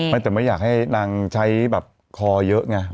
ไม่แต่ไม่อยากให้นางใช้แบบคอเยอะไง